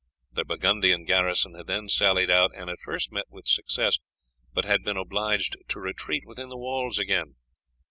The Burgundian garrison had then sallied out and at first met with success, but had been obliged to retreat within the walls again.